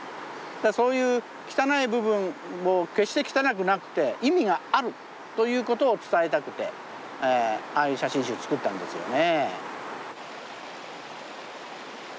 そういう汚い部分を決して汚くなくて意味があるということを伝えたくてああいう写真集作ったんですよね。